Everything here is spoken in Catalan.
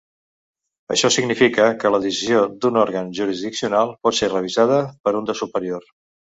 Això significa que la decisió d'un òrgan jurisdiccional pot ser revisada per un de superior.